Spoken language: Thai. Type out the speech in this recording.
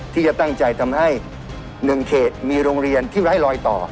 ที่จะตั้งใจทำให้๑เขตมีโรงเรียนที่ไร้ลอยต่อ